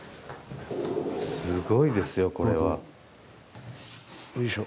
すごいですよこれは。よいしょ。